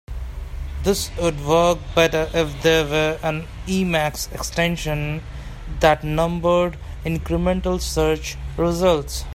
This would work better if there were an Emacs extension that numbered incremental search results.